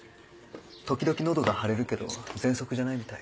時々喉が腫れるけどぜんそくじゃないみたい。